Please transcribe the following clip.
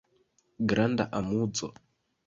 Granda amuzo.